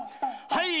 はい！